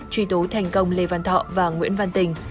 truy tố thành công lê văn thọ và nguyễn văn tình